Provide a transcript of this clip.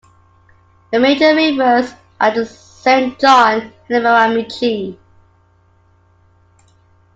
The major rivers are the Saint John and the Miramichi.